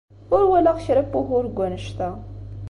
Ur walaɣ kra n wugur deg wanect-a.